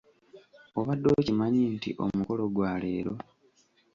Obadde okimanyi nti omukolo gwa leero!